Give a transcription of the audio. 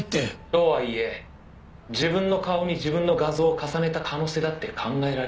「とはいえ自分の顔に自分の画像を重ねた可能性だって考えられる」